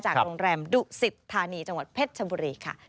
โรงแรมดุสิตธานีจังหวัดเพชรชบุรีค่ะ